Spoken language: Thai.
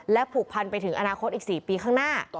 ผูกพันไปถึงอนาคตอีก๔ปีข้างหน้า